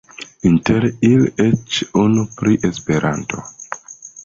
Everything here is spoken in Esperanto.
Inter ili eĉ unu pri Esperanto.